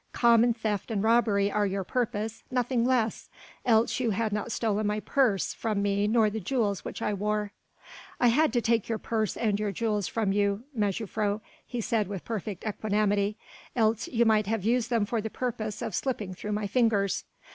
Common theft and robbery are your purpose, nothing less, else you had not stolen my purse from me nor the jewels which I wore." "I had to take your purse and your jewels from you, mejuffrouw," he said with perfect equanimity, "else you might have used them for the purpose of slipping through my fingers.